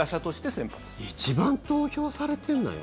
一番投票されてんのよ。